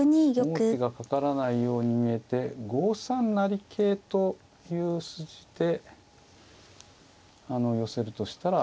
王手がかからないように見えて５三成桂という筋であの寄せるとしたら。